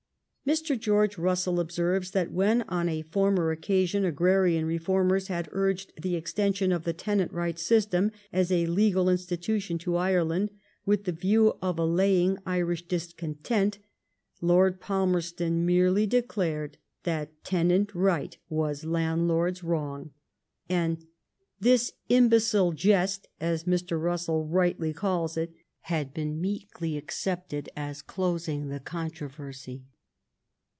Mr. George Russell observes that when on a former occasion agrarian reformers had urged the extension of the tenant right system as a legal institution to Ireland, with the view of allaying Irish discontent. Lord Pal merston merely declared that tenant right was land lord s wrong, and "this imbecile jest," as Mr. Russell rightly calls it, had been meekly accepted as closing the controversy.